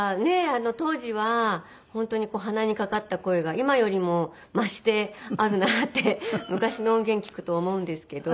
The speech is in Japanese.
あの当時は本当に鼻にかかった声が今よりも増してあるなって昔の音源を聴くと思うんですけど。